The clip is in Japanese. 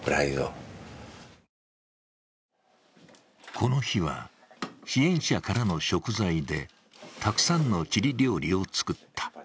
この日は支援者からの食材でたくさんのチリ料理を作った。